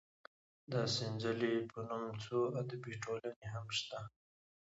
د سنځلې په نوم څو ادبي ټولنې هم شته.